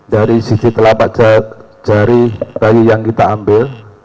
dari sisi telapak jari bayi yang kita ambil